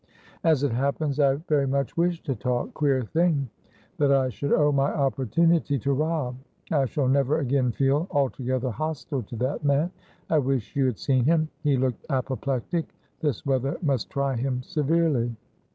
"As it happens, I very much wish to talk. Queer thing that I should owe my opportunity to Robb. I shall never again feel altogether hostile to that man. I wish you had seen him. He looked apoplectic. This weather must try him severely."